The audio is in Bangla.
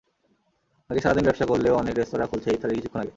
আগে সারা দিন ব্যবসা করলেও অনেক রেস্তোরাঁ খুলছে ইফতারের কিছুক্ষণ আগে।